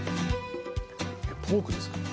ポークですかね？